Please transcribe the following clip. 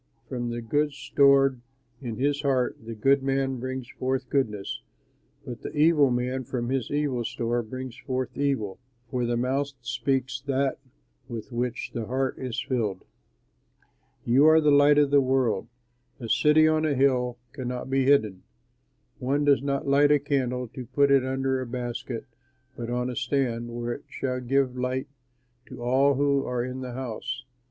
From the good stored in his heart the good man brings forth goodness, but the evil man from his evil store brings forth evil; for the mouth speaks that with which the heart is filled. [Illustration: © Curtis Publishing Company The Sower Painted by Herbert Moore] "You are the light of the world. A city on a hill cannot be hidden. One does not light a candle to put it under a basket but on a stand, where it shall give light to all who are in the house.